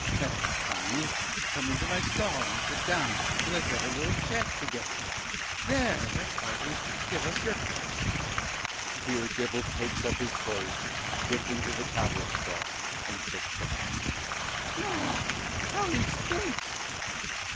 _ That's kind. Come into my stall and sit down, and let's have a little chat together; there, that's hearty; give us your fist. (Here Dibble takes up his clothes, gets into the cobbler's stall, and sits down.) Sir B. Pshaw! how he stinks. (aside.) _Cris.